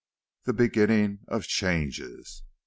XV. THE BEGINNING OF CHANGES.